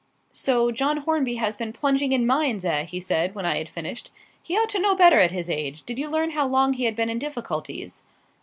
"So John Hornby has been plunging in mines, eh?" he said, when I had finished. "He ought to know better at his age. Did you learn how long he had been in difficulties?"